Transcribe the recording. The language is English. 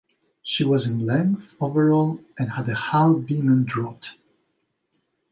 She was in length, overall, and had a hull beam and draught.